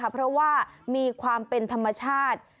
เพราะว่ามีความเป็นธรรมชาติ